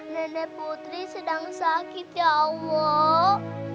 nenek putri sedang sakit ya allah